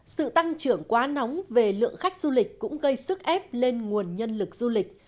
sự tăng trưởng quá nóng về lượng khách du lịch cũng gây sức ép lên nguồn nhân lực du lịch